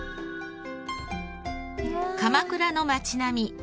鎌倉の街並み